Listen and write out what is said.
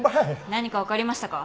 何か分かりましたか？